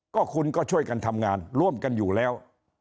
ก็คุณก็ช่วยกันทำงานร่วมกันอยู่แล้ว